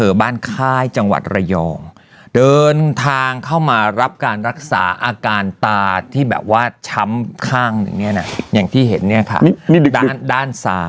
เบลอบ้านค่ายจังหวัดระยองเดินทางเข้ามารับการรักษาอาการตาที่แบบว่าช้ำข้างอย่างที่เห็นด้านซ้าย